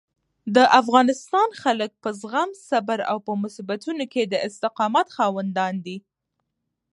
د افغانستان خلک په زغم، صبر او په مصیبتونو کې د استقامت خاوندان دي.